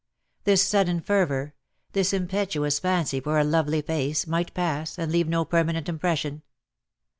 This sudden fervour, this impetuous fancy for a lovely face, might pass and leave no permanent impression.